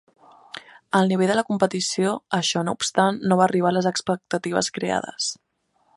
El nivell de la competició, això no obstant, no va arribar a les expectatives creades.